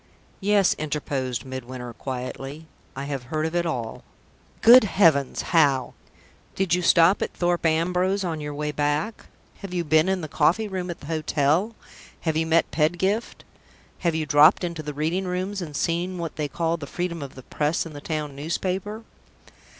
"Yes," interposed Midwinter, quietly; "I have heard of it all." "Good heavens! how? Did you stop at Thorpe Ambrose on your way back? Have you been in the coffee room at the hotel? Have you met Pedgift? Have you dropped into the Reading Rooms, and seen what they call the freedom of the press in the town newspaper?"